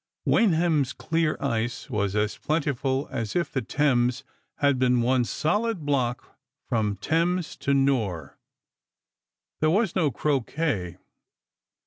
Wenham's clear ice was as plentiful as if the Thames had been one solid block from Thames to Nore. There was no croquet.